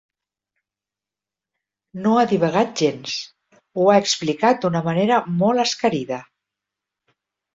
No ha divagat gens: ho ha explicat d'una manera molt escarida.